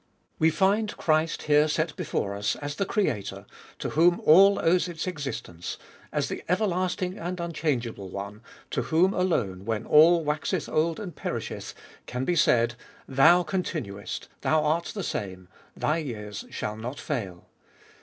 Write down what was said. We find Christ here set before us as the Creator, to whom all owes its existence, as the everlasting and unchangeable One, to whom alone, when all waxeth old and perisheth, can be said, Thou continuest; Thou art the same; Thy years shall not fail.